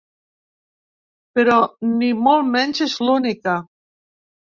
Però ni molt menys és l’única.